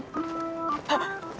あっ！